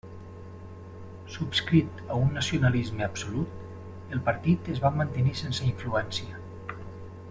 Subscrit a un nacionalisme absolut, el partit es va mantenir sense influència.